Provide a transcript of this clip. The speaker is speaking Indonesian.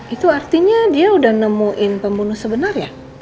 itu artinya dia udah nemuin pembunuh sebenarnya